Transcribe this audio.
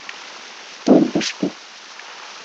Тол тышке...